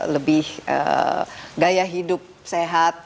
lebih gaya hidup sehat